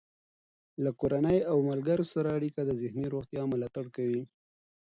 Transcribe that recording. له کورنۍ او ملګرو سره اړیکه د ذهني روغتیا ملاتړ کوي.